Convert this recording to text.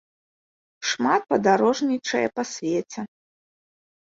Шмат падарожнічае па свеце.